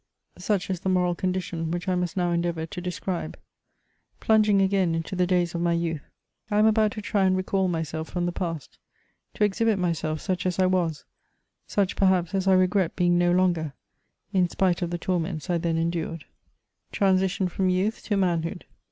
Such is the moral condition, which I must now endeavour to describe. Plunging again into the days of my youth, I am about to try and recall myself from the past, to exhibit myself such as I was, such perhaps as I regret being no longer, in spite of the torments I then endured. 126 MEMOIRS OF TRANSITION FROM YOUTH TO MANHOOD.